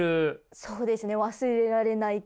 そうですね。